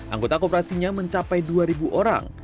anggota koperasinya mencapai dua orang